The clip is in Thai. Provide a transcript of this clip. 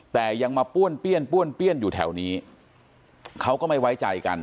แต่ยังมาป้วนเปี้ยนป้วนเปี้ยนอยู่แถวนี้เขาก็ไม่ไว้ใจกัน